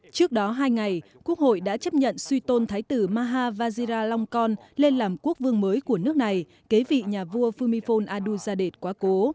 trước đó hai ngày quốc hội đã chấp nhận suy tôn thái tử maha vajijalongkorn lên làm quốc vương mới của nước này kế vị nhà vua phumifol adulzadeh quá cố